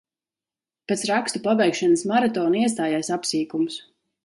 Pēc rakstu pabeigšanas maratona iestājies apsīkums.